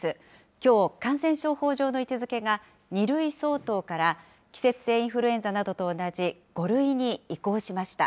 きょう、感染症法上の位置づけが２類相当から季節性インフルエンザなどと同じ５類に移行しました。